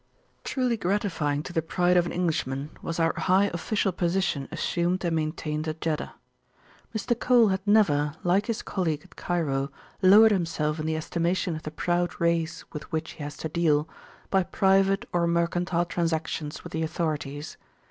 Truly gratifying to the pride of an Englishman was our high official position assumed and maintained at Jeddah. Mr. Cole had never, like his colleague at Cairo, lowered himself in the estimation of the proud race with which he has to deal, by private or mercantile transactions with the authorities.